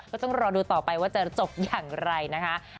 ก็ต้องรอดูต่อไปว่าจะจบอย่างไรนะคะ